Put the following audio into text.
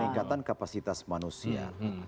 peningkatan kapasitas manusia